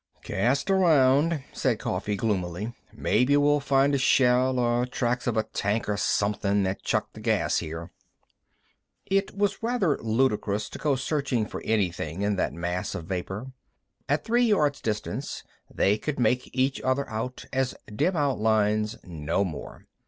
"Cast around," said Coffee gloomily. "Maybe we'll find a shell, or tracks of a tank or somethin' that chucked the gas here." It was rather ludicrous to go searching for anything in that mass of vapor. At three yards distance they could make each other out as dim outlines, no more.